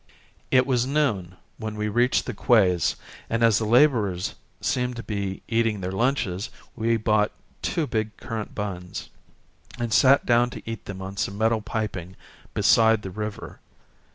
It was noon when we reached the quays and, as all the labourers seemed to be eating their lunches, we bought two big currant buns and sat down to eat them on some metal piping beside the river.